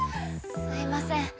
すいません。